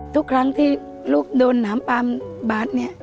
ทุกครั้งที่ลูกโดนน้ำปลามบาดเนี่ย